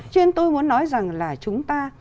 cho nên tôi muốn nói rằng là chúng ta